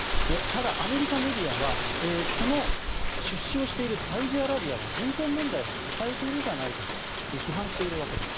ただ、アメリカメディアはこの出資をしているサウジアラビアは人権問題を抱えているじゃないかと批判しているわけです。